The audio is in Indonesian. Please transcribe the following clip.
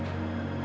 kamu harus ingat